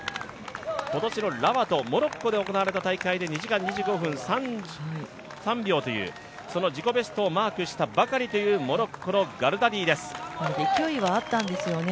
今年のラマとモロッコで行われた大会で、２時間２５分３３秒という自己ベストをマークしたばかりという勢いはあったんですよね。